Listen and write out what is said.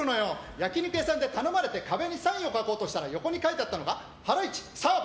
焼き肉屋で頼まれて壁にサインを書こうとして横に飾ってあったのがハライチ澤部。